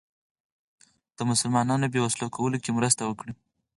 د مسلمانانو بې وسلو کولو کې مرسته وکړي.